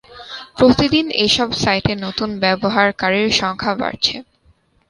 প্রতিদিন এসব সাইটে নতুন ব্যবহারকারীর সংখ্যা বাড়ছে।